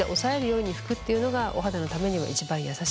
お肌のためには一番優しいです。